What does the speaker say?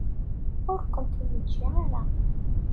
Ur kent-neǧǧi ara.